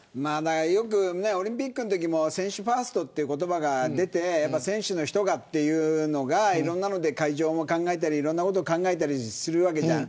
オリンピックのときも選手ファーストという言葉が出て選手の人が、というのが会場も考えたり、いろんなことを考えたりするわけじゃん。